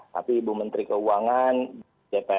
tapi ibu menteri keuangan dpr